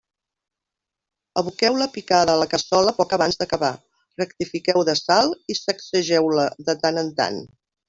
Aboqueu la picada a la cassola poc abans d'acabar, rectifiqueu de sal i sacsegeu-la de tant en tant.